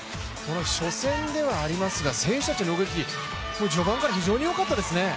初戦ではありますが選手たちの動き序盤から非常によかったですね。